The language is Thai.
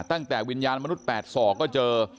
ตั้งแต่วิญญาณมนุษย์๘ศอกก็เจอ